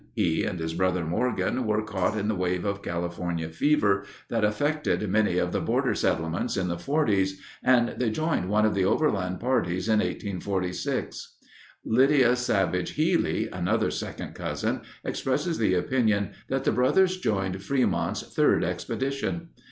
He and his brother, Morgan, were caught in the wave of California fever that affected many of the border settlements in the 'forties and they joined one of the overland parties in 1846. Lydia Savage Healy, another second cousin, expresses the opinion that the brothers joined Frémont's third expedition.